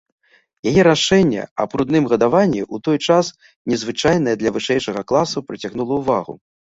Яе рашэнне аб грудным гадаванні, у той час незвычайнае для вышэйшага класа, прыцягнула ўвагу.